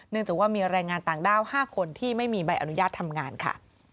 จากว่ามีแรงงานต่างด้าว๕คนที่ไม่มีใบอนุญาตทำงานค่ะ